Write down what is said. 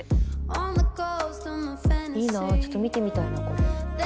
いいなちょっと見てみたいなこれ。